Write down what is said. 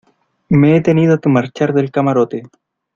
me he tenido que marchar del camarote